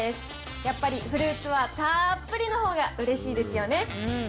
やっぱりフルーツはたーっぷりのほうがうれしいですよね。